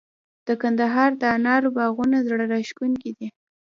د کندهار د انارو باغونه زړه راښکونکي دي.